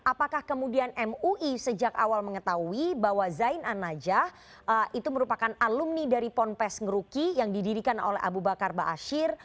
apakah kemudian mui sejak awal mengetahui bahwa zain an najah itu merupakan alumni dari ponpes ngeruki yang didirikan oleh abu bakar ⁇ baasyir ⁇